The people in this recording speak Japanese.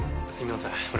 すみません